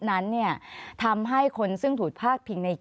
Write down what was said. ขอบคุณครับ